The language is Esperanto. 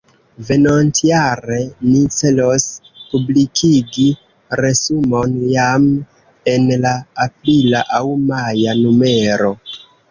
Venontjare ni celos publikigi resumon jam en la aprila aŭ maja numero.